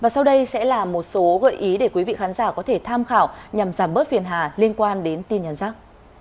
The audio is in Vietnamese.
sau đây sẽ là một số gợi ý để quý vị khán giả có thể tham khảo nhằm giảm bớt phiền hà liên quan đến tin nhắn rác